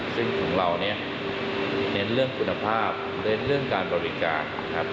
ซึ่งของเราเน้นเรื่องคุณภาพเน้นเรื่องการบริการ